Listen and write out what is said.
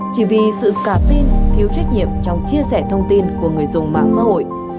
chỉ vì sự cảm tin thiếu trách nhiệm trong chia sẻ thông tin của người dùng mạng xã hội